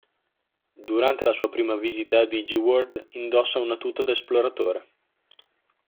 Durante la sua prima visita a Digiworld, indossa una tuta da esploratore.